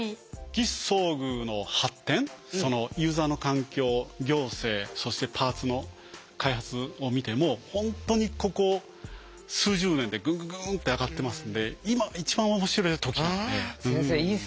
義肢装具の発展そのユーザーの環境行政そしてパーツの開発を見ても本当にここ数十年でグングングンって上がってますんで今一番面白い時なんで。